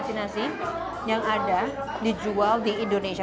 berbeda dengan nasi nasi yang ada dijual di indonesia